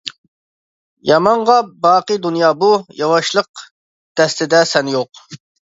يامانغا باقى دۇنيا بۇ، ياۋاشلىق دەستىدە سەن يوق.